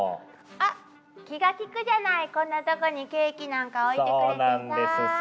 あっ気が利くじゃないこんなとこにケーキなんか置いてくれてさ。